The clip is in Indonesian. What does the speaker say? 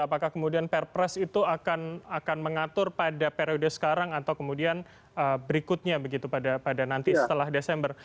apakah kemudian perpres itu akan mengatur pada periode sekarang atau kemudian berikutnya begitu pada nanti setelah desember